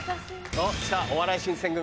お笑い新選組